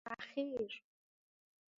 فخیر